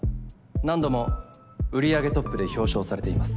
何度も売り上げトップで表彰されています。